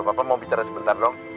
bapak mau bicara sebentar dong